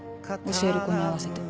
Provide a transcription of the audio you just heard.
教える子に合わせて。